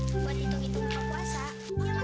buat itu gitu makan puasa